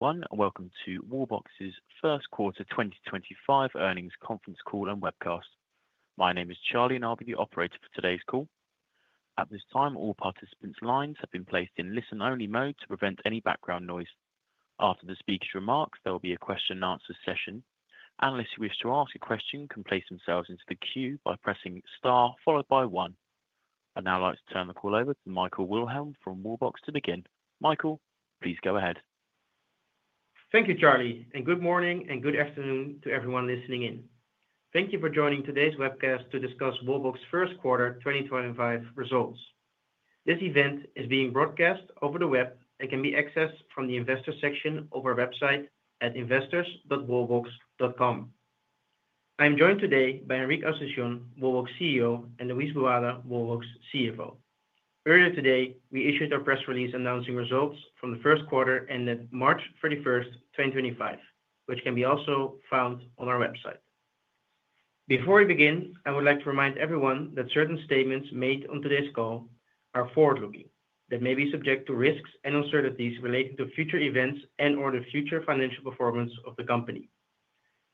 Welcome to Wallbox's first quarter 2025 earnings conference call and webcast. My name is Charlie, and I'll be the operator for today's call. At this time, all participants' lines have been placed in listen-only mode to prevent any background noise. After the speakers' remarks, there will be a question-and-answer session. Analysts who wish to ask a question can place themselves into the queue by pressing star followed by one. I'd now like to turn the call over to Michael Wilhelm from Wallbox to begin. Michael, please go ahead. Thank you, Charlie, and good morning and good afternoon to everyone listening in. Thank you for joining today's webcast to discuss Wallbox's first quarter 2025 results. This event is being broadcast over the web and can be accessed from the investor section of our website at investors.wallbox.com. I'm joined today by Enric Asunción, Wallbox CEO, and Luis Boada, Wallbox CFO. Earlier today, we issued our press release announcing results from the first quarter ended March 31st, 2025, which can also be found on our website. Before we begin, I would like to remind everyone that certain statements made on today's call are forward-looking, that may be subject to risks and uncertainties relating to future events and/or the future financial performance of the company.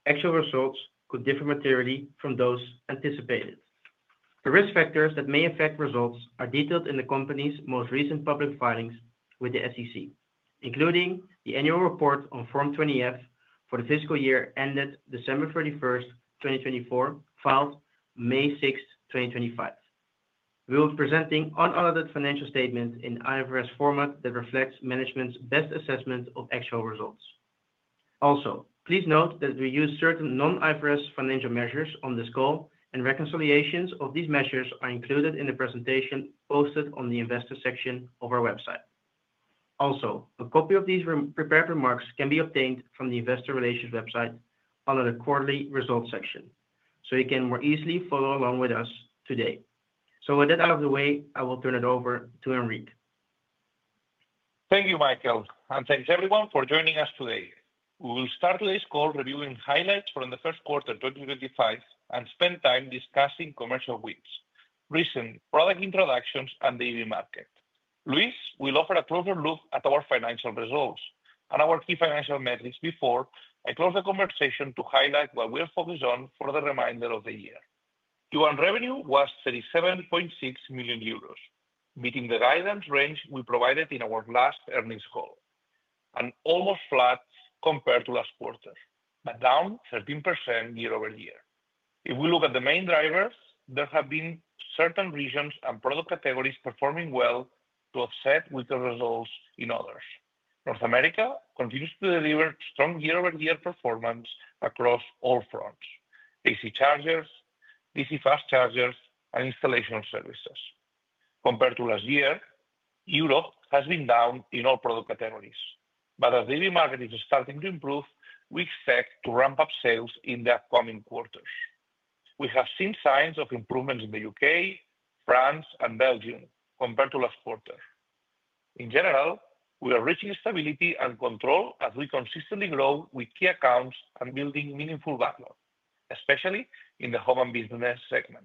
Actual results could differ materially from those anticipated. The risk factors that may affect results are detailed in the company's most recent public filings with the SEC, including the annual report on form 20-F for the fiscal year ended December 31st, 2024, filed May 6th, 2025. We will be presenting unaltered financial statements in IFRS format that reflects management's best assessment of actual results. Also, please note that we use certain non-IFRS financial measures on this call, and reconciliations of these measures are included in the presentation posted on the investor section of our website. Also, a copy of these prepared remarks can be obtained from the investor relations website under the quarterly results section, so you can more easily follow along with us today. With that out of the way, I will turn it over to Enric. Thank you, Michael, and thanks everyone for joining us today. We will start today's call reviewing highlights from the first quarter 2025 and spend time discussing commercial wins, recent product introductions, and the EV market. Luis will offer a closer look at our financial results and our key financial metrics before I close the conversation to highlight what we'll focus on for the remainder of the year. Q1 revenue was 37.6 million euros, meeting the guidance range we provided in our last earnings call, and almost flat compared to last quarter, but down 13% year-over-year. If we look at the main drivers, there have been certain regions and product categories performing well to offset weaker results in others. North America continues to deliver strong year-over-year performance across all fronts: AC chargers, DC fast chargers, and installation services. Compared to last year, Europe has been down in all product categories, but as the EV market is starting to improve, we expect to ramp up sales in the upcoming quarters. We have seen signs of improvements in the U.K., France, and Belgium compared to last quarter. In general, we are reaching stability and control as we consistently grow with key accounts and building meaningful backlog, especially in the home and business segment.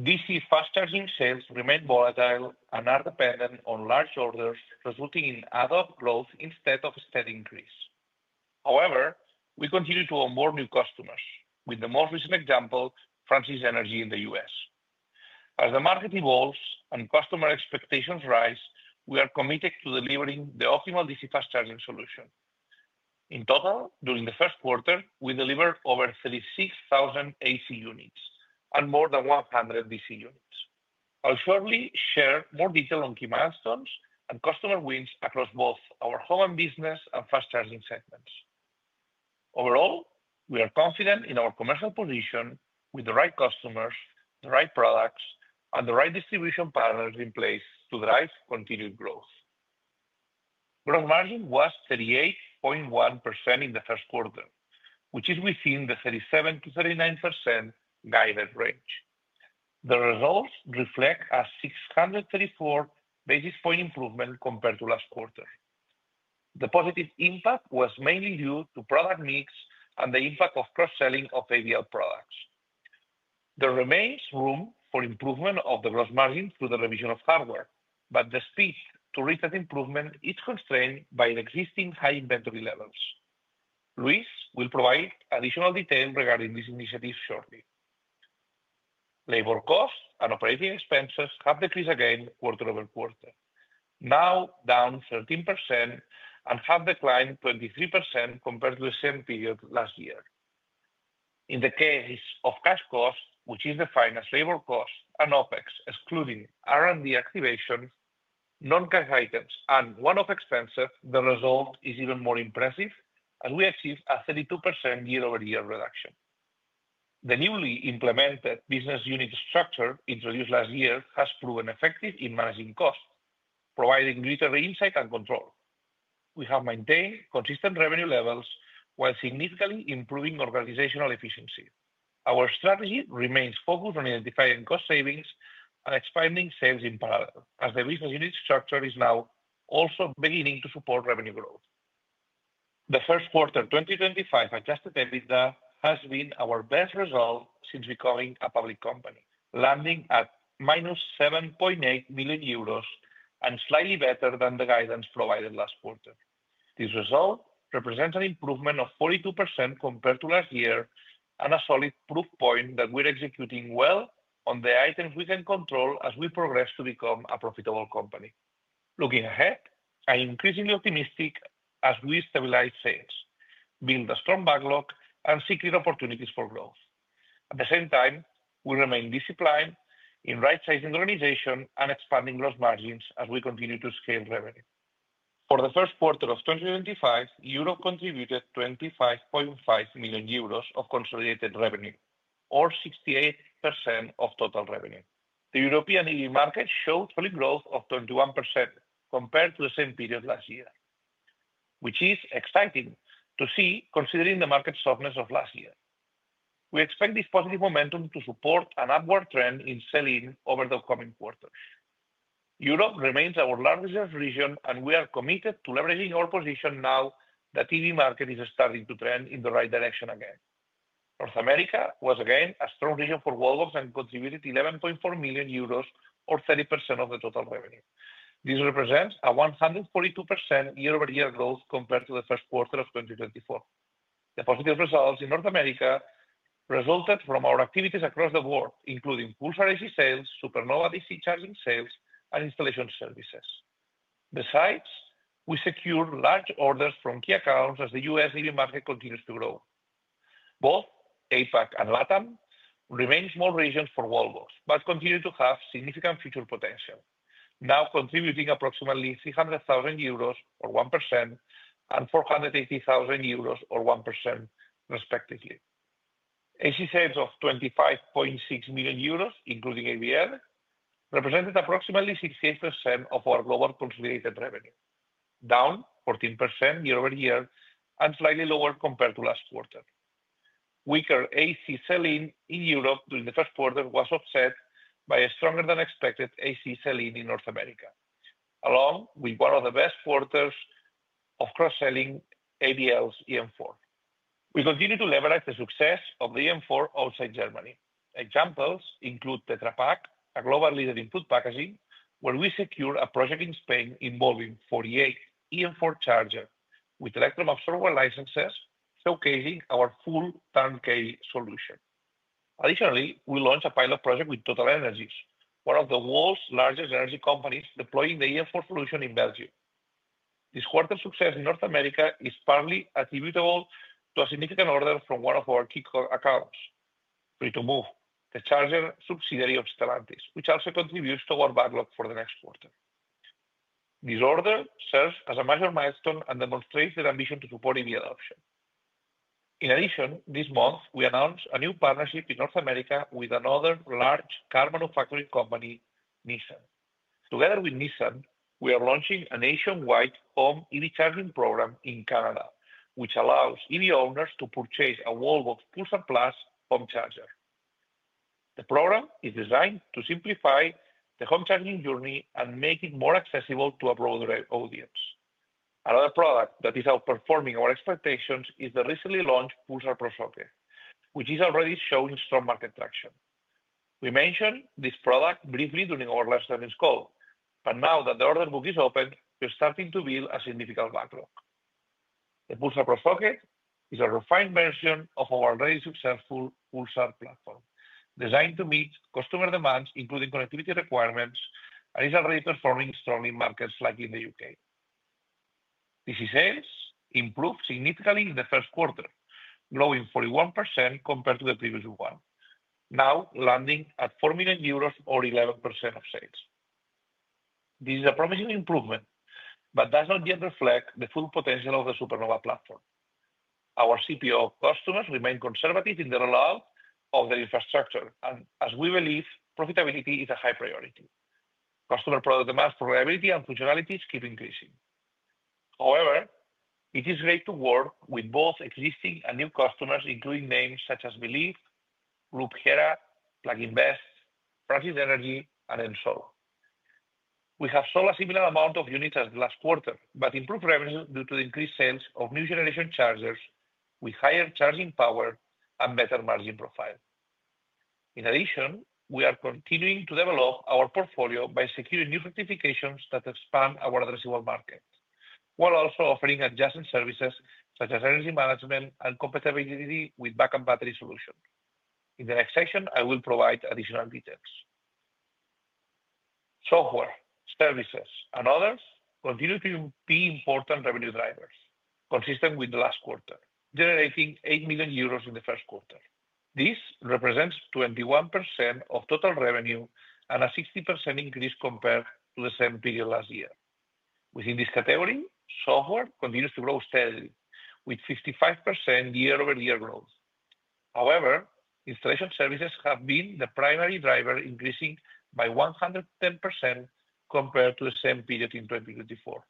DC fast charging sales remain volatile and are dependent on large orders, resulting in ad hoc growth instead of a steady increase. However, we continue to onboard new customers, with the most recent example, Francis Energy in the U.S. As the market evolves and customer expectations rise, we are committed to delivering the optimal DC fast charging solution. In total, during the first quarter, we delivered over 36,000 AC units and more than 100 DC units. I'll shortly share more detail on key milestones and customer wins across both our home and business and fast charging segments. Overall, we are confident in our commercial position with the right customers, the right products, and the right distribution partners in place to drive continued growth. Gross margin was 38.1% in the first quarter, which is within the 37%-39% guided range. The results reflect a 634 basis point improvement compared to last quarter. The positive impact was mainly due to product mix and the impact of cross-selling of ABL products. There remains room for improvement of the gross margin through the revision of hardware, but the speed to reach that improvement is constrained by existing high inventory levels. Luis will provide additional detail regarding this initiative shortly. Labor costs and operating expenses have decreased again quarter-over-quarter, now down 13% and have declined 23% compared to the same period last year. In the case of cash costs, which is defined as labor costs and OpEx, excluding R&D activation, non-cash items, and one-off expenses, the result is even more impressive as we achieve a 32% year-over-year reduction. The newly implemented business unit structure introduced last year has proven effective in managing costs, providing greater insight and control. We have maintained consistent revenue levels while significantly improving organizational efficiency. Our strategy remains focused on identifying cost savings and expanding sales in parallel, as the business unit structure is now also beginning to support revenue growth. The first quarter 2025 adjusted EBITDA has been our best result since becoming a public company, landing at -7.8 million euros and slightly better than the guidance provided last quarter. This result represents an improvement of 42% compared to last year and a solid proof point that we're executing well on the items we can control as we progress to become a profitable company. Looking ahead, I'm increasingly optimistic as we stabilize sales, build a strong backlog, and seek great opportunities for growth. At the same time, we remain disciplined in right-sizing organization and expanding gross margins as we continue to scale revenue. For the first quarter of 2025, Europe contributed 25.5 million euros of consolidated revenue, or 68% of total revenue. The European EV market showed solid growth of 21% compared to the same period last year, which is exciting to see considering the market softness of last year. We expect this positive momentum to support an upward trend in selling over the upcoming quarters. Europe remains our largest region, and we are committed to leveraging our position now that the EV market is starting to trend in the right direction again. North America was again a strong region for Wallbox and contributed 11.4 million euros, or 30% of the total revenue. This represents a 142% year-over-year growth compared to the first quarter of 2024. The positive results in North America resulted from our activities across the board, including Pulsar AC sales, Supernova DC charging sales, and installation services. Besides, we secured large orders from key accounts as the U.S. EV market continues to grow. Both APAC and LATAM remain small regions for Wallbox but continue to have significant future potential, now contributing approximately 300,000 euros, or 1%, and 480,000 euros, or 1%, respectively. AC sales of 25.6 million euros, including ABL, represented approximately 68% of our global consolidated revenue, down 14% year-over-year and slightly lower compared to last quarter. Weaker AC selling in Europe during the first quarter was offset by a stronger-than-expected AC selling in North America, along with one of the best quarters of cross-selling ABL's eM4. We continue to leverage the success of the eM4 outside Germany. Examples include Tetra Pak, a global leader in food packaging, where we secured a project in Spain involving 48 eM4 chargers with Electromaps software licenses, showcasing our full turnkey solution. Additionally, we launched a pilot project with TotalEnergies, one of the world's largest energy companies, deploying the eM4 solution in Belgium. This quarter's success in North America is partly attributable to a significant order from one of our key accounts, Free2Move, the charger subsidiary of Stellantis, which also contributes to our backlog for the next quarter. This order serves as a major milestone and demonstrates their ambition to support EV adoption. In addition, this month, we announced a new partnership in North America with another large car manufacturing company, Nissan. Together with Nissan, we are launching a nationwide home EV charging program in Canada, which allows EV owners to purchase a Wallbox's Pulsar Plus home charger. The program is designed to simplify the home charging journey and make it more accessible to a broader audience. Another product that is outperforming our expectations is the recently launched Pulsar Pro Socket, which is already showing strong market traction. We mentioned this product briefly during our last earnings call, but now that the order book is open, we're starting to build a significant backlog. The Pulsar Pro Socket is a refined version of our already successful Pulsar platform, designed to meet customer demands, including connectivity requirements, and is already performing strongly in markets like the U.K. DC sales improved significantly in the first quarter, growing 41% compared to the previous one, now landing at 4 million euros, or 11% of sales. This is a promising improvement, but does not yet reflect the full potential of the Supernova platform. Our CPO customers remain conservative in the rollout of their infrastructure, and as we believe, profitability is a high priority. Customer product demands for reliability and functionalities keep increasing. However, it is great to work with both existing and new customers, including names such as Believ, Group Hera, Pluginvest, Francis Energy, and Ensol. We have sold a similar amount of units as the last quarter, but improved revenues due to the increased sales of new generation chargers with higher charging power and better margin profile. In addition, we are continuing to develop our portfolio by securing new certifications that expand our addressable market, while also offering adjacent services such as energy management and compatibility with backup battery solutions. In the next section, I will provide additional details. Software, services, and others continue to be important revenue drivers, consistent with the last quarter, generating 8 million euros in the first quarter. This represents 21% of total revenue and a 60% increase compared to the same period last year. Within this category, software continues to grow steadily, with 55% year-over-year growth. However, installation services have been the primary driver, increasing by 110% compared to the same period in 2024,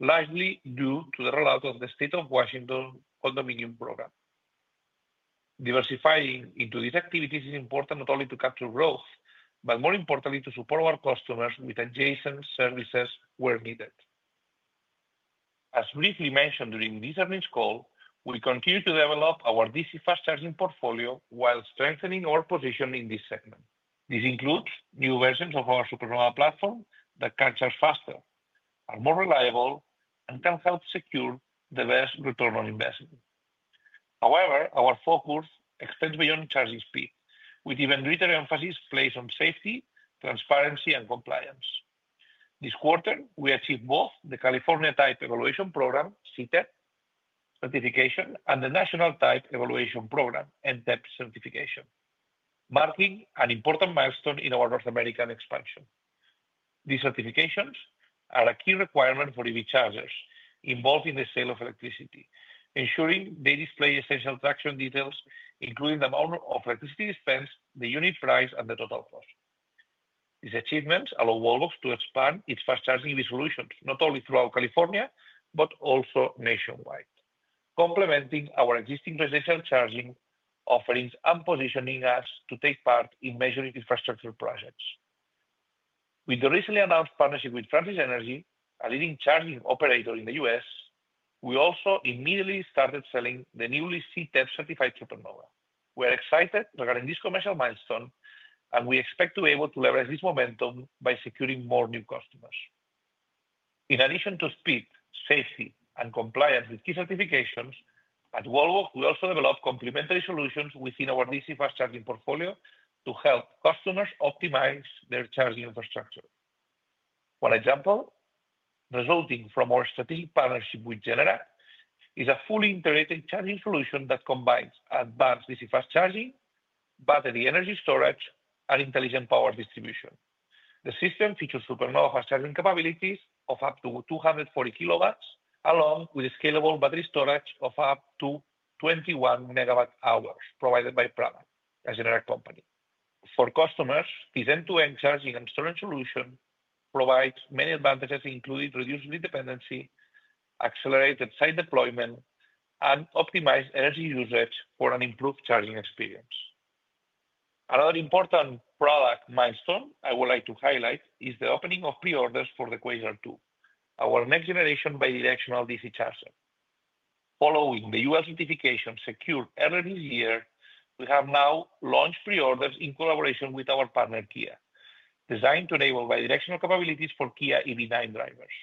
largely due to the rollout of the State of Washington condominium program. Diversifying into these activities is important not only to capture growth, but more importantly, to support our customers with adjacent services where needed. As briefly mentioned during this earnings call, we continue to develop our DC fast charging portfolio while strengthening our position in this segment. This includes new versions of our Supernova platform that can charge faster, are more reliable, and can help secure the best return on investment. However, our focus extends beyond charging speed, with even greater emphasis placed on safety, transparency, and compliance. This quarter, we achieved both the California Type Evaluation Program, CTEP certification, and the National Type Evaluation Program, NTEP certification, marking an important milestone in our North American expansion. These certifications are a key requirement for EV chargers involved in the sale of electricity, ensuring they display essential transaction details, including the amount of electricity spent, the unit price, and the total cost. These achievements allow Wallbox to expand its fast charging EV solutions not only throughout California but also nationwide, complementing our existing residential charging offerings and positioning us to take part in major infrastructure projects. With the recently announced partnership with Francis Energy, a leading charging operator in the U.S., we also immediately started selling the newly CTEP-certified Supernova. We are excited regarding this commercial milestone, and we expect to be able to leverage this momentum by securing more new customers. In addition to speed, safety, and compliance with key certifications, at Wallbox, we also develop complementary solutions within our DC fast charging portfolio to help customers optimize their charging infrastructure. One example resulting from our strategic partnership with Generac is a fully integrated charging solution that combines advanced DC fast charging, battery energy storage, and intelligent power distribution. The system features Supernova fast charging capabilities of up to 240 kW, along with a scalable battery storage of up to 21 MWh provided by Pramac, a Generac company. For customers, this end-to-end charging and storage solution provides many advantages, including reduced lead dependency, accelerated site deployment, and optimized energy usage for an improved charging experience. Another important product milestone I would like to highlight is the opening of pre-orders for the Quasar 2, our next-generation bidirectional DC charger. Following the UL certification secured earlier this year, we have now launched pre-orders in collaboration with our partner Kia, designed to enable bidirectional capabilities for Kia EV9 drivers.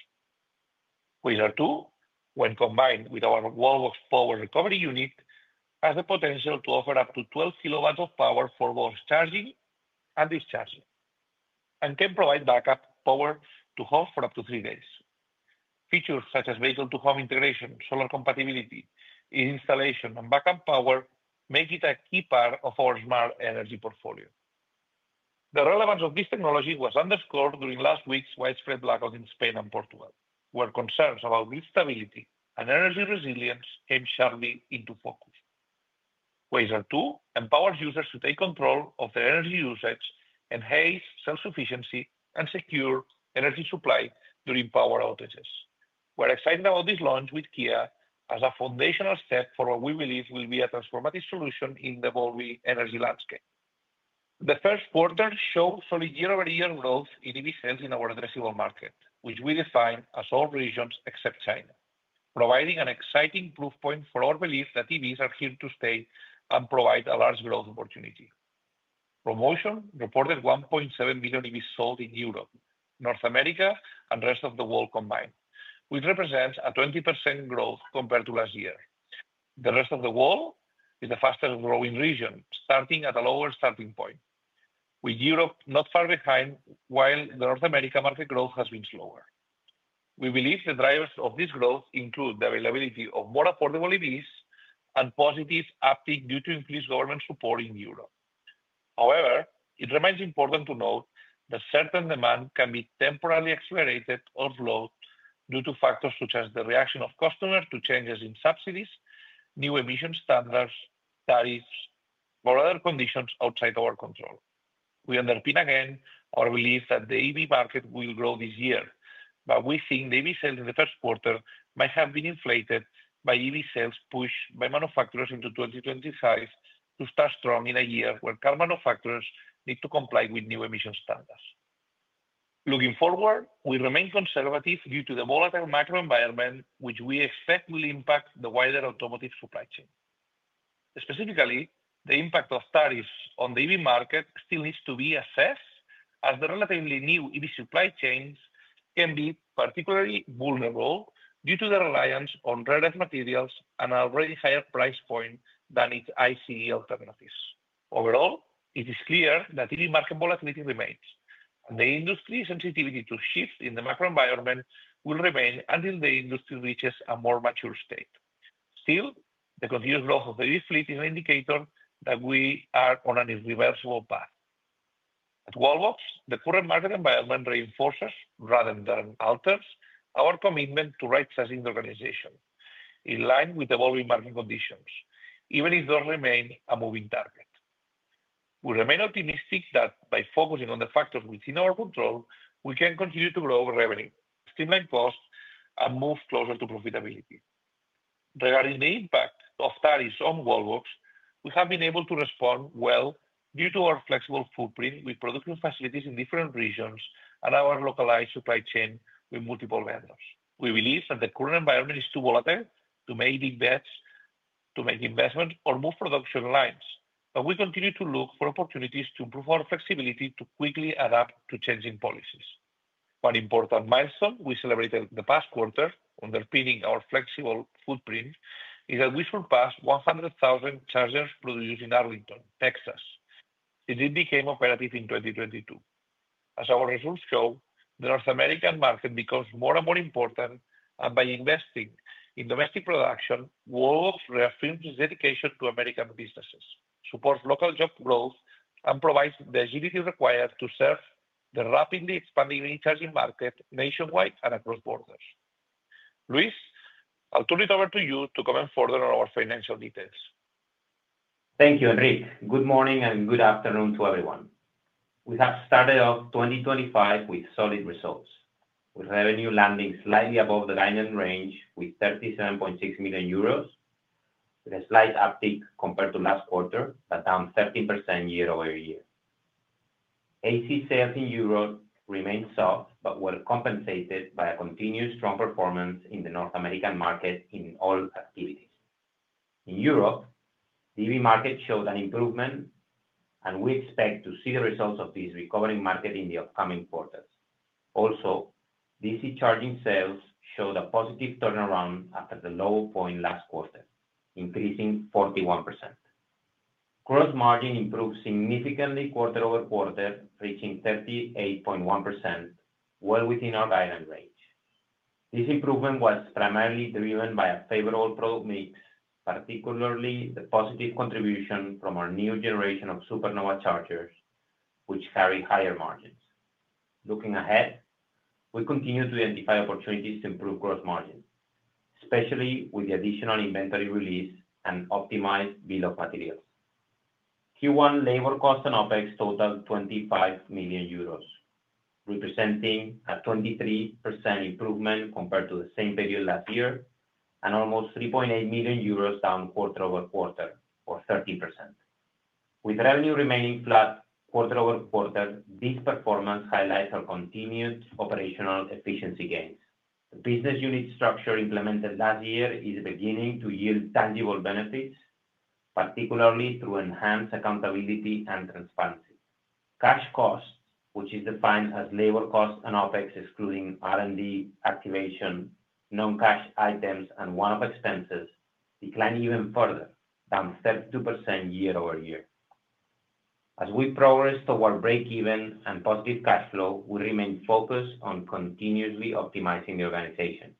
Quasar 2, when combined with our Wallbox Power Recovery Unit, has the potential to offer up to 12 kW of power for both charging and discharging, and can provide backup power to home for up to three days. Features such as vehicle-to-home integration, solar compatibility, installation, and backup power make it a key part of our smart energy portfolio. The relevance of this technology was underscored during last week's widespread blackout in Spain and Portugal, where concerns about grid stability and energy resilience came sharply into focus. Quasar 2 empowers users to take control of their energy usage and have self-sufficiency and secure energy supply during power outages. We're excited about this launch with Kia as a foundational step for what we believe will be a transformative solution in the Wallbox energy landscape. The first quarter showed solid year-over-year growth in EV sales in our addressable market, which we define as all regions except China, providing an exciting proof point for our belief that EVs are here to stay and provide a large growth opportunity. Rho Motion reported 1.7 million EVs sold in Europe, North America, and the rest of the world combined, which represents a 20% growth compared to last year. The rest of the world is the fastest-growing region, starting at a lower starting point, with Europe not far behind, while the North America market growth has been slower. We believe the drivers of this growth include the availability of more affordable EVs and positive uptick due to increased government support in Europe. However, it remains important to note that certain demand can be temporarily accelerated or slowed due to factors such as the reaction of customers to changes in subsidies, new emission standards, tariffs, or other conditions outside our control. We underpin again our belief that the EV market will grow this year, but we think the EV sales in the first quarter might have been inflated by EV sales pushed by manufacturers into 2025 to start strong in a year where car manufacturers need to comply with new emission standards. Looking forward, we remain conservative due to the volatile macro environment, which we expect will impact the wider automotive supply chain. Specifically, the impact of tariffs on the EV market still needs to be assessed, as the relatively new EV supply chains can be particularly vulnerable due to the reliance on rare earth materials and an already higher price point than its ICE alternatives. Overall, it is clear that EV market volatility remains, and the industry's sensitivity to shifts in the macro environment will remain until the industry reaches a more mature state. Still, the continuous growth of the EV fleet is an indicator that we are on an irreversible path. At Wallbox, the current market environment reinforces, rather than alters, our commitment to right-sizing the organization in line with evolving market conditions, even if those remain a moving target. We remain optimistic that by focusing on the factors within our control, we can continue to grow revenue, streamline costs, and move closer to profitability. Regarding the impact of tariffs on Wallbox, we have been able to respond well due to our flexible footprint with production facilities in different regions and our localized supply chain with multiple vendors. We believe that the current environment is too volatile to make big bets, to make investments, or move production lines, but we continue to look for opportunities to improve our flexibility to quickly adapt to changing policies. One important milestone we celebrated in the past quarter, underpinning our flexible footprint, is that we surpassed 100,000 chargers produced in Arlington, Texas, since it became operative in 2022. As our results show, the North American market becomes more and more important, and by investing in domestic production, Wallbox reaffirms its dedication to American businesses, supports local job growth, and provides the agility required to serve the rapidly expanding EV charging market nationwide and across borders. Luis, I'll turn it over to you to comment further on our financial details. Thank you, Enric. Good morning and good afternoon to everyone. We have started off 2025 with solid results, with revenue landing slightly above the guideline range with 37.6 million euros, with a slight uptick compared to last quarter, but down 13% year-over-year. AC sales in Europe remained soft but were compensated by a continued strong performance in the North American market in all activities. In Europe, the EV market showed an improvement, and we expect to see the results of this recovering market in the upcoming quarters. Also, DC charging sales showed a positive turnaround after the low point last quarter, increasing 41%. Gross margin improved significantly quarter over quarter, reaching 38.1%, well within our guideline range. This improvement was primarily driven by a favorable product mix, particularly the positive contribution from our new generation of Supernova chargers, which carry higher margins. Looking ahead, we continue to identify opportunities to improve gross margin, especially with the additional inventory release and optimized bill of materials. Q1 labor costs and OpEx totaled 25 million euros, representing a 23% improvement compared to the same period last year and almost 3.8 million euros down quarter-over-quarter, or 13%. With revenue remaining flat quarter over quarter, this performance highlights our continued operational efficiency gains. The business unit structure implemented last year is beginning to yield tangible benefits, particularly through enhanced accountability and transparency. Cash costs, which are defined as labor costs and OpEx, excluding R&D activation, non-cash items, and one-off expenses, declined even further, down 32% year-over-year. As we progress toward break-even and positive cash flow, we remain focused on continuously optimizing the organization.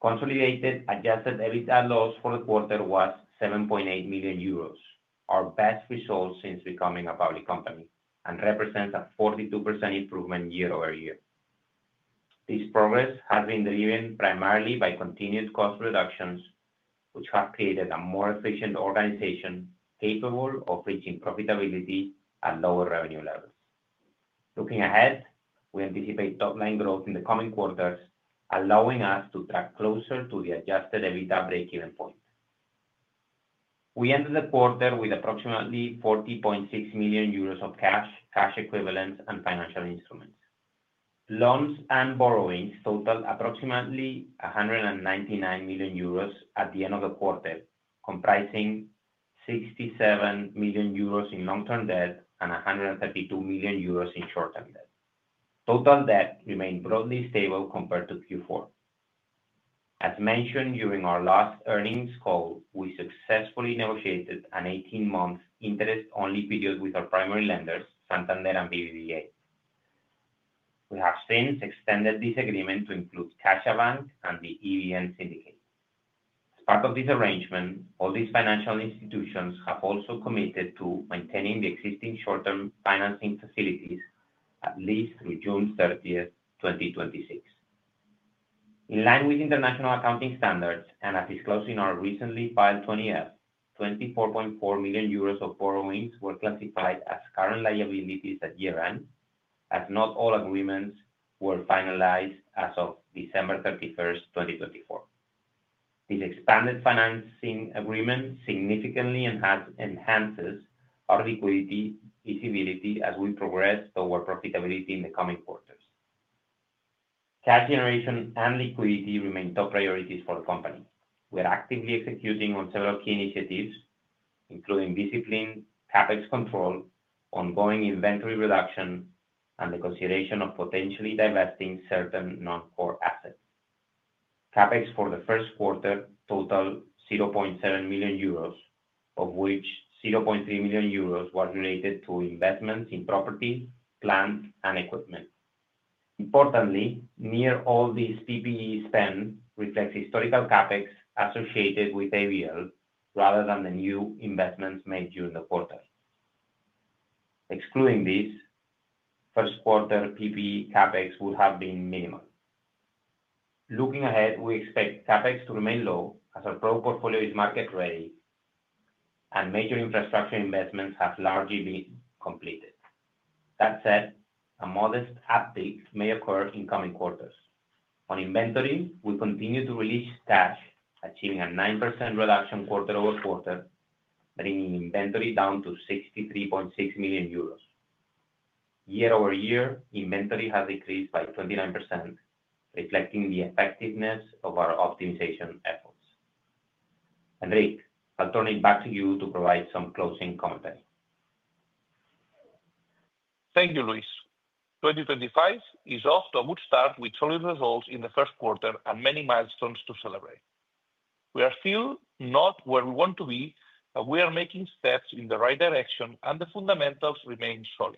Consolidated adjusted EBITDA loss for the quarter was 7.8 million euros, our best result since becoming a public company, and represents a 42% improvement year-over-year. This progress has been driven primarily by continued cost reductions, which have created a more efficient organization capable of reaching profitability at lower revenue levels. Looking ahead, we anticipate top-line growth in the coming quarters, allowing us to track closer to the adjusted EBITDA break-even point. We ended the quarter with approximately 40.6 million euros of cash, cash equivalents, and financial instruments. Loans and borrowings totaled approximately 199 million euros at the end of the quarter, comprising 67 million euros in long-term debt and 132 million euros in short-term debt. Total debt remained broadly stable compared to Q4. As mentioned during our last earnings call, we successfully negotiated an 18-month interest-only period with our primary lenders, Santander and BBVA. We have since extended this agreement to include Caixabank and the EBN syndicate. As part of this arrangement, all these financial institutions have also committed to maintaining the existing short-term financing facilities, at least through June 30th, 2026. In line with international accounting standards and at its close in our recently filed 20-F, 24.4 million euros of borrowings were classified as current liabilities at year-end, as not all agreements were finalized as of December 31st, 2024. This expanded financing agreement significantly enhances our liquidity visibility as we progress toward profitability in the coming quarters. Cash generation and liquidity remain top priorities for the company. We are actively executing on several key initiatives, including discipline, CapEx control, ongoing inventory reduction, and the consideration of potentially divesting certain non-core assets. CapEx for the first quarter totaled 0.7 million euros, of which 0.3 million euros was related to investments in property, plants, and equipment. Importantly, near all these PPE spend reflects historical CapEx associated with ABL rather than the new investments made during the quarter. Excluding this, first-quarter PPE CapEx would have been minimal. Looking ahead, we expect CapEx to remain low as our pro portfolio is market-ready, and major infrastructure investments have largely been completed. That said, a modest uptick may occur in coming quarters. On inventory, we continue to release cash, achieving a 9% reduction quarter over quarter, bringing inventory down to 63.6 million euros. Year-over-year, inventory has decreased by 29%, reflecting the effectiveness of our optimization efforts. Enric, I'll turn it back to you to provide some closing commentary. Thank you, Luis. 2025 is off to a good start with solid results in the first quarter and many milestones to celebrate. We are still not where we want to be, but we are making steps in the right direction, and the fundamentals remain solid.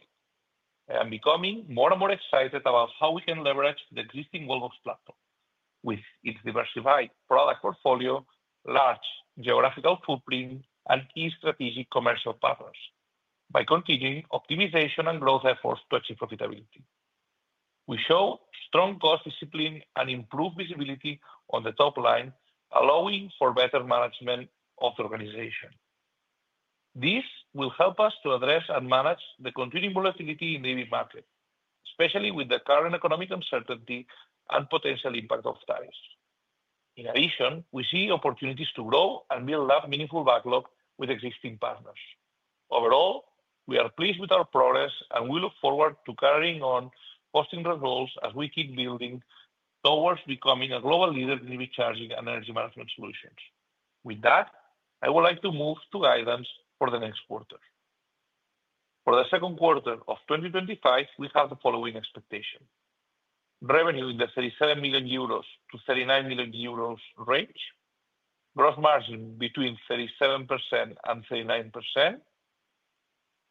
I am becoming more and more excited about how we can leverage the existing Wallbox platform with its diversified product portfolio, large geographical footprint, and key strategic commercial partners by continuing optimization and growth efforts to achieve profitability. We show strong cost discipline and improved visibility on the top line, allowing for better management of the organization. This will help us to address and manage the continuing volatility in the EV market, especially with the current economic uncertainty and potential impact of tariffs. In addition, we see opportunities to grow and build up meaningful backlog with existing partners. Overall, we are pleased with our progress, and we look forward to carrying on posting results as we keep building towards becoming a global leader in EV charging and energy management solutions. With that, I would like to move to guidance for the next quarter. For the second quarter of 2025, we have the following expectation: revenue in the 37 million-39 million euros range, gross margin between 37% and 39%,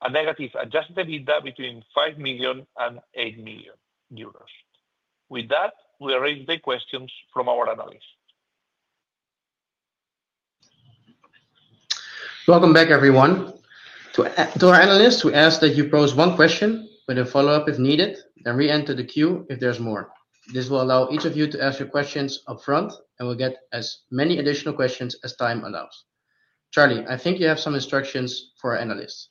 and negative adjusted EBITDA between 5 million and 8 million euros. With that, we arrange the questions from our analysts. Welcome back, everyone. To our analysts, we ask that you pose one question with a follow-up if needed, and re-enter the queue if there's more. This will allow each of you to ask your questions upfront, and we'll get as many additional questions as time allows. Charlie, I think you have some instructions for our analysts.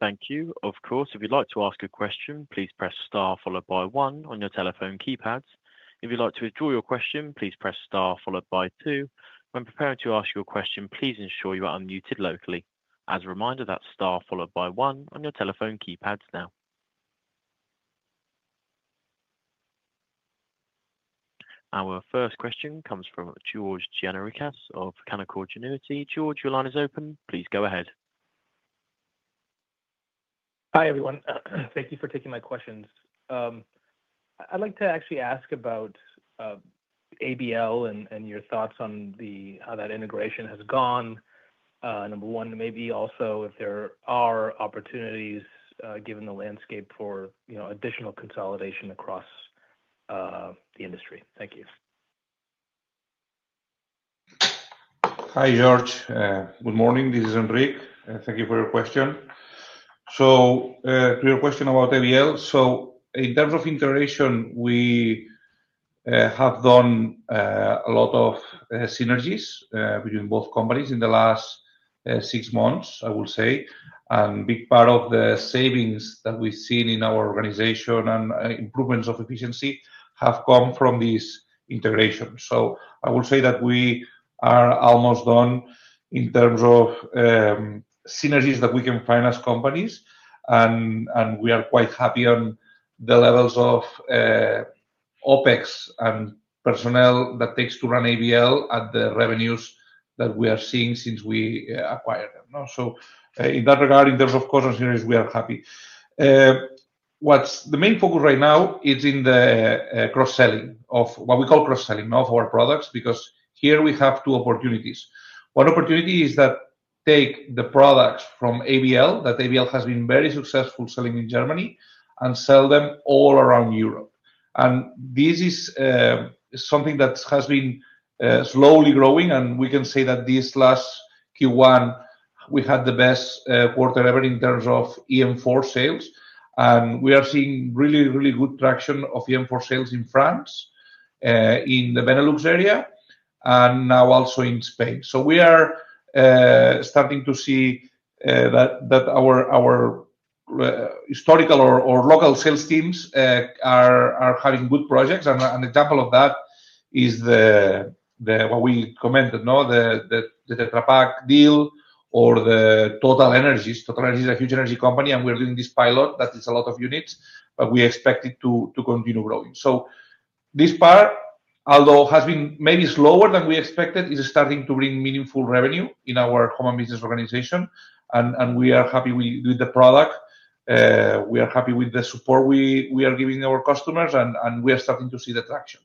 Thank you. Of course, if you'd like to ask a question, please press star followed by one on your telephone keypads. If you'd like to withdraw your question, please press star followed by two. When preparing to ask your question, please ensure you are unmuted locally. As a reminder, that's star followed by one on your telephone keypads now. Our first question comes from George Gianarikas of Canaccord Genuity. George, your line is open. Please go ahead. Hi, everyone. Thank you for taking my questions. I'd like to actually ask about ABL and your thoughts on how that integration has gone, number one, and maybe also if there are opportunities given the landscape for additional consolidation across the industry. Thank you. Hi, George. Good morning. This is Enric. Thank you for your question. To your question about ABL, in terms of integration, we have done a lot of synergies between both companies in the last six months, I will say, and a big part of the savings that we've seen in our organization and improvements of efficiency have come from this integration. I will say that we are almost done in terms of synergies that we can find as companies, and we are quite happy on the levels of OpEx and personnel that it takes to run ABL at the revenues that we are seeing since we acquired them. In that regard, in terms of cost and synergy, we are happy. The main focus right now is in the cross-selling of what we call cross-selling of our products because here we have two opportunities. One opportunity is that we take the products from ABL that ABL has been very successful selling in Germany and sell them all around Europe. This is something that has been slowly growing, and we can say that this last Q1, we had the best quarter ever in terms of eM4 sales, and we are seeing really, really good traction of eM4 sales in France, in the Benelux area, and now also in Spain. We are starting to see that our historical or local sales teams are having good projects, and an example of that is what we commented, the Tetra Pak deal or the TotalEnergies. TotalEnergies is a huge energy company, and we're doing this pilot that is a lot of units, but we expect it to continue growing. This part, although it has been maybe slower than we expected, is starting to bring meaningful revenue in our home and business organization, and we are happy with the product. We are happy with the support we are giving our customers, and we are starting to see the traction.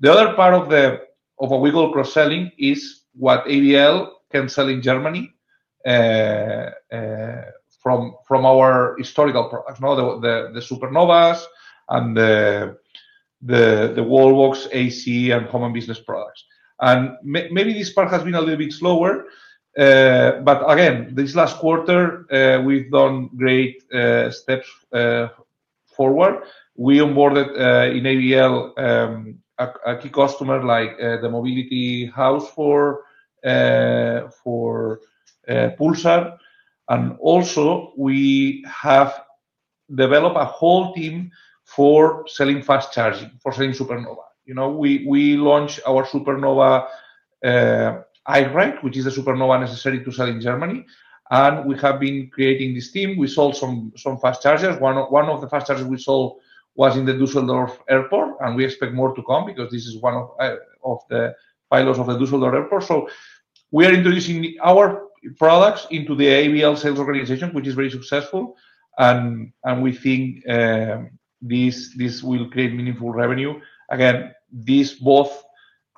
The other part of what we call cross-selling is what ABL can sell in Germany from our historical products, the Supernovas and the Wallbox AC and home and business products. Maybe this part has been a little bit slower, but again, this last quarter, we've done great steps forward. We onboarded in ABL a key customer like The Mobility House for Pulsar, and also we have developed a whole team for selling fast charging, for selling Supernova. We launched our Supernova iRank, which is a Supernova necessary to sell in Germany, and we have been creating this team. We sold some fast chargers. One of the fast chargers we sold was in the Düsseldorf airport, and we expect more to come because this is one of the pilots of the Düsseldorf airport. We are introducing our products into the ABL sales organization, which is very successful, and we think this will create meaningful revenue. This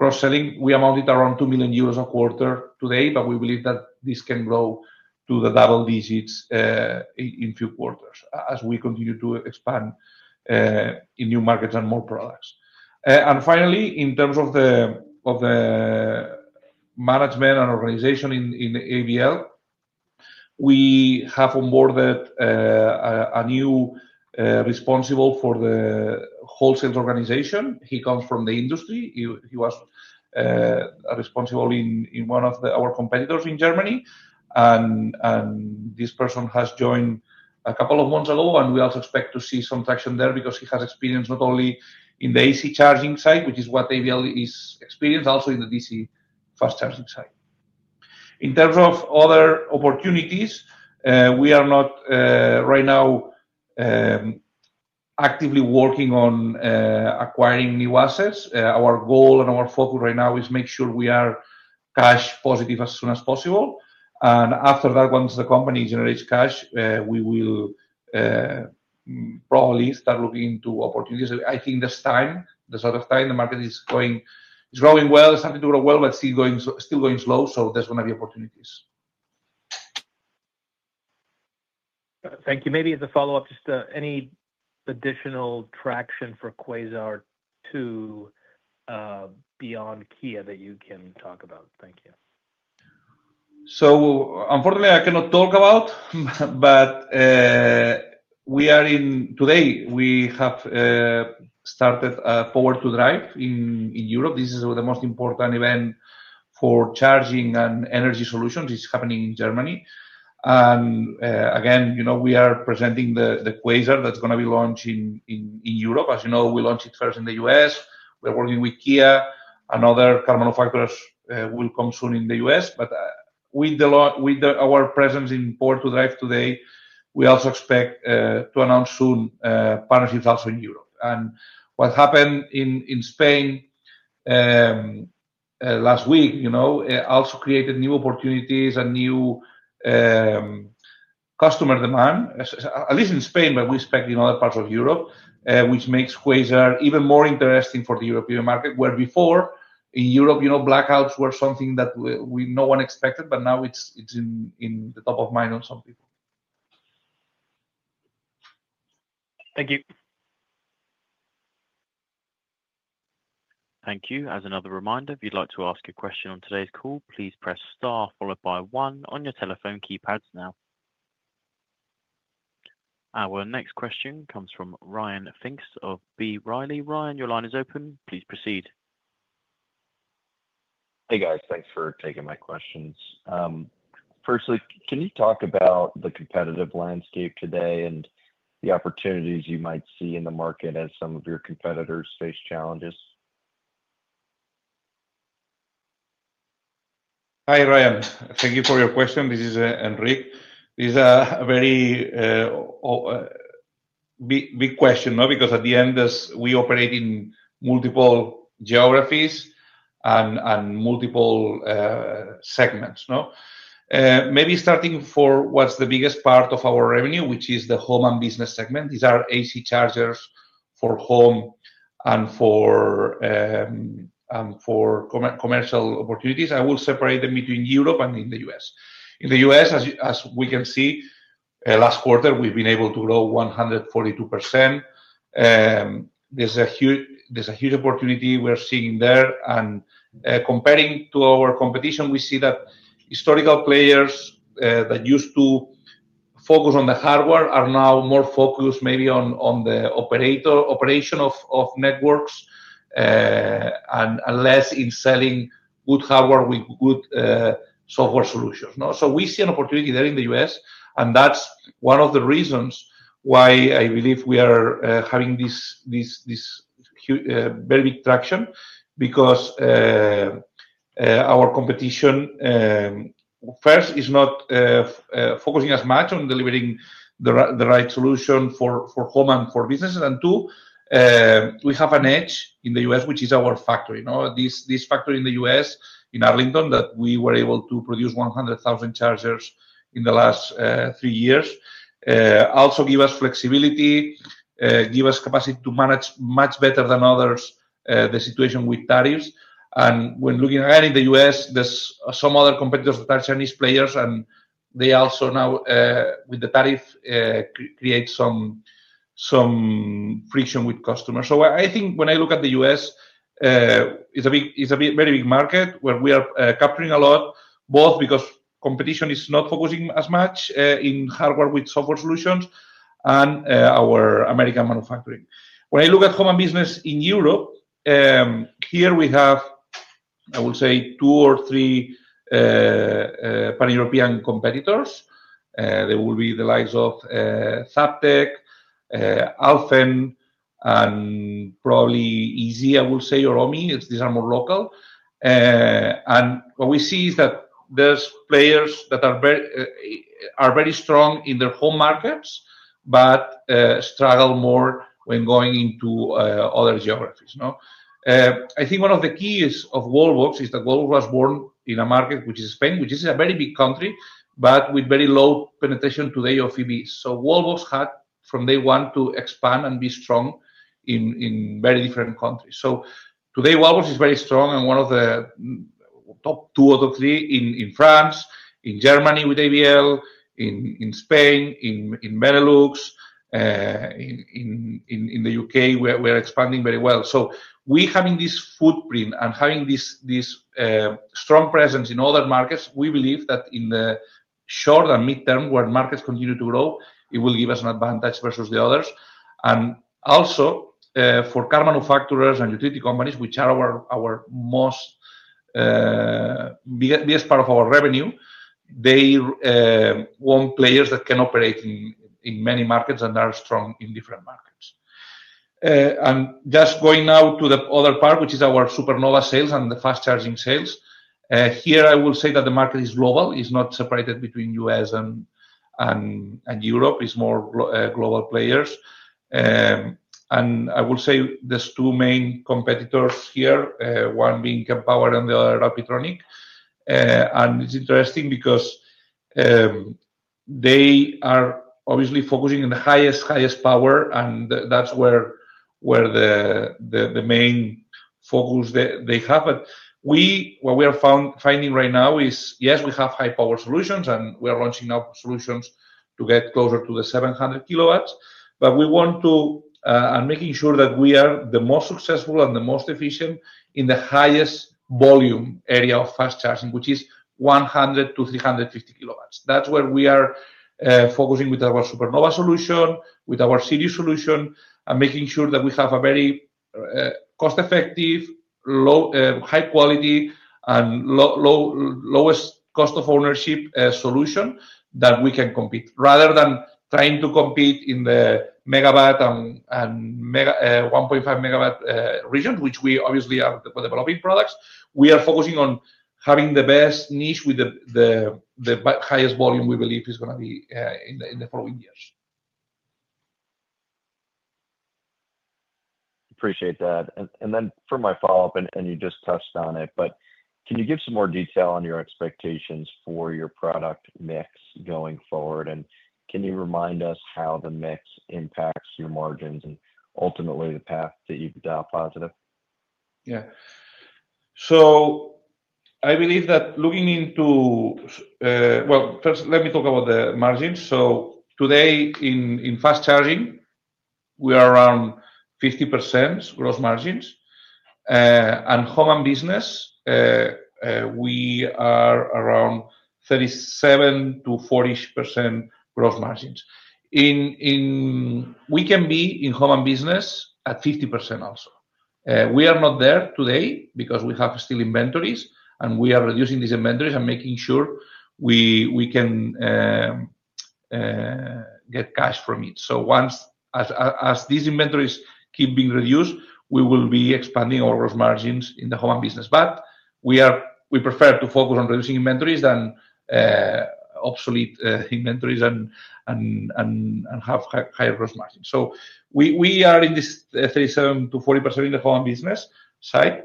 cross-selling amounted to around 2 million euros a quarter today, but we believe that this can grow to the double digits in a few quarters as we continue to expand in new markets and more products. Finally, in terms of the management and organization in ABL, we have onboarded a new responsible for the wholesale organization. He comes from the industry. He was responsible in one of our competitors in Germany, and this person has joined a couple of months ago, and we also expect to see some traction there because he has experience not only in the AC charging side, which is what ABL is experienced, but also in the DC fast charging side. In terms of other opportunities, we are not right now actively working on acquiring new assets. Our goal and our focus right now is to make sure we are cash positive as soon as possible, and after that, once the company generates cash, we will probably start looking into opportunities. I think there's time, there's a lot of time. The market is growing well, starting to grow well, but still going slow, so there's going to be opportunities. Thank you. Maybe as a follow-up, just any additional traction for Quasar 2 beyond Kia that you can talk about? Thank you. Unfortunately, I cannot talk about, but today we have started Power2Drive in Europe. This is the most important event for charging and energy solutions. It is happening in Germany. Again, we are presenting the Quasar that is going to be launched in Europe. As you know, we launched it first in the U.S. We are working with Kia. Another car manufacturer will come soon in the U.S. With our presence in Power2Drive today, we also expect to announce soon partnerships also in Europe. What happened in Spain last week also created new opportunities and new customer demand, at least in Spain, but we expect in other parts of Europe, which makes Quasar even more interesting for the European market, where before in Europe, blackouts were something that no one expected, but now it is in the top of mind on some people. Thank you. Thank you. As another reminder, if you'd like to ask a question on today's call, please press star followed by one on your telephone keypads now. Our next question comes from Ryan Finks of B. Riley. Ryan, your line is open. Please proceed. Hey, guys. Thanks for taking my questions. Firstly, can you talk about the competitive landscape today and the opportunities you might see in the market as some of your competitors face challenges? Hi, Ryan. Thank you for your question. This is Enric. This is a very big question because at the end, we operate in multiple geographies and multiple segments. Maybe starting for what's the biggest part of our revenue, which is the home and business segment. These are AC chargers for home and for commercial opportunities. I will separate them between Europe and in the U.S. In the U.S, as we can see, last quarter, we've been able to grow 142%. There's a huge opportunity we're seeing there. Comparing to our competition, we see that historical players that used to focus on the hardware are now more focused maybe on the operation of networks and less in selling good hardware with good software solutions. We see an opportunity there in the U.S., and that's one of the reasons why I believe we are having this very big traction because our competition, first, is not focusing as much on delivering the right solution for home and for businesses. Two, we have an edge in the U.S., which is our factory. This factory in the U.S., in Arlington, that we were able to produce 100,000 chargers in the last three years, also gives us flexibility, gives us capacity to manage much better than others the situation with tariffs. When looking at it in the U.S., there are some other competitors that are Chinese players, and they also now, with the tariff, create some friction with customers. I think when I look at the U.S., it's a very big market where we are capturing a lot, both because competition is not focusing as much in hardware with software solutions and our American manufacturing. When I look at home and business in Europe, here we have, I will say, two or three pan-European competitors. They will be the likes of Tractech, Alfen, and probably Easy, I will say, or OMI. These are more local. What we see is that there's players that are very strong in their home markets but struggle more when going into other geographies. I think one of the keys of Wallbox is that Wallbox was born in a market, which is Spain, which is a very big country, but with very low penetration today of EVs. Wallbox had, from day one, to expand and be strong in very different countries. Today, Wallbox is very strong and one of the top two or three in France, in Germany with ABL, in Spain, in Benelux, in the U.K., where we are expanding very well. Having this footprint and having this strong presence in other markets, we believe that in the short and midterm, where markets continue to grow, it will give us an advantage versus the others. Also, for car manufacturers and utility companies, which are our biggest part of our revenue, they want players that can operate in many markets and are strong in different markets. Just going now to the other part, which is our Supernova sales and the fast charging sales, here I will say that the market is global. It's not separated between the U.S. and Europe. It's more global players. I will say there's two main competitors here, one being Cap Power and the other Rapatronic. It's interesting because they are obviously focusing on the highest, highest power, and that's where the main focus they have. What we are finding right now is, yes, we have high-power solutions, and we are launching now solutions to get closer to the 700 kW, but we want to be making sure that we are the most successful and the most efficient in the highest volume area of fast charging, which is 100 kW-350 kW. That's where we are focusing with our Supernova solution, with our series solution, and making sure that we have a very cost-effective, high-quality, and lowest cost of ownership solution that we can compete rather than trying to compete in the megawatt and 1.5 MW region, which we obviously are developing products. We are focusing on having the best niche with the highest volume we believe is going to be in the following years. Appreciate that. For my follow-up, and you just touched on it, can you give some more detail on your expectations for your product mix going forward? Can you remind us how the mix impacts your margins and ultimately the path that you've adopted? Yeah. I believe that looking into—first, let me talk about the margins. Today, in fast charging, we are around 50% gross margins. In home and business, we are around 37%-40% gross margins. We can be in home and business at 50% also. We are not there today because we have still inventories, and we are reducing these inventories and making sure we can get cash from it. As these inventories keep being reduced, we will be expanding our gross margins in the home and business. We prefer to focus on reducing inventories than obsolete inventories and have higher gross margins. We are in this 37%-40% in the home and business side.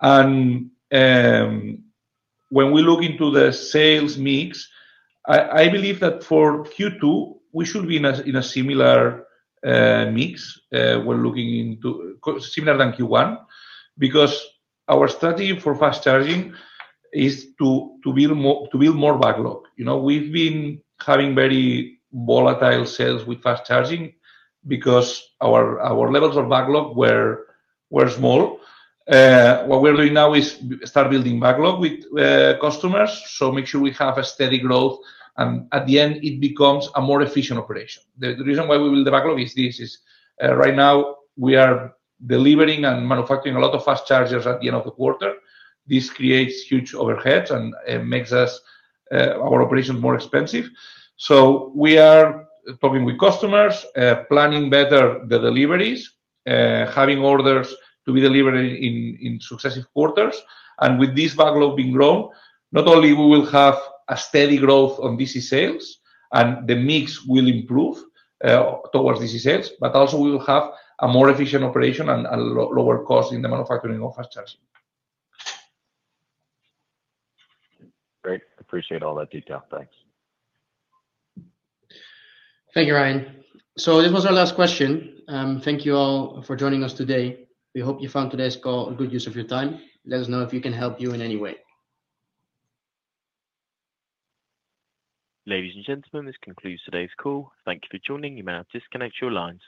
When we look into the sales mix, I believe that for Q2, we should be in a similar mix, we are looking into similar than Q1 because our strategy for fast charging is to build more backlog. We have been having very volatile sales with fast charging because our levels of backlog were small. What we are doing now is start building backlog with customers to make sure we have a steady growth, and at the end, it becomes a more efficient operation. The reason why we build the backlog is this: right now, we are delivering and manufacturing a lot of fast chargers at the end of the quarter. This creates huge overheads and makes our operations more expensive. We are talking with customers, planning better the deliveries, having orders to be delivered in successive quarters. With this backlog being grown, not only will we have a steady growth on DC sales, and the mix will improve towards DC sales, but also we will have a more efficient operation and lower cost in the manufacturing of fast charging. Great. Appreciate all that detail. Thanks. Thank you, Ryan. This was our last question. Thank you all for joining us today. We hope you found today's call a good use of your time. Let us know if we can help you in any way. Ladies and gentlemen, this concludes today's call. Thank you for joining. You may now disconnect your lines.